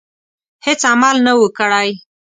هیڅ عمل نه وو کړی.